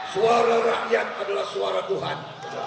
suara rakyat adalah suara tuhan